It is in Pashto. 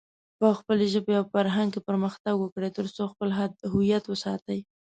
په خپلې ژبې او فرهنګ کې پرمختګ وکړئ، ترڅو خپل هويت وساتئ.